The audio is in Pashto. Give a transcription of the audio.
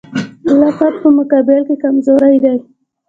خلافت په مقابل کې کمزوری دی.